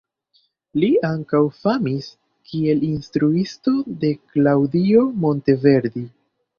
Li ankaŭ famis kiel instruisto de Claudio Monteverdi.